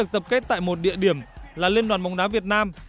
tập kết tại một địa điểm là liên đoàn bóng đá việt nam